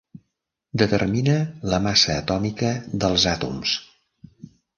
Determina la massa atòmica dels àtoms.